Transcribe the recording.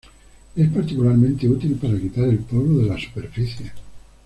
Es particularmente útil para quitar el polvo de las superficies.